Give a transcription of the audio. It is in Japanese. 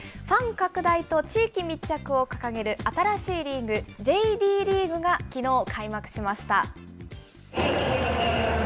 ファン拡大と地域密着を掲げる、新しいリーグ、ＪＤリーグがきのう、開幕しました。